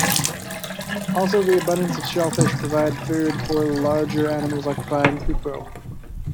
Also the abundance of shellfish provide food for the larger animals occupying Upo.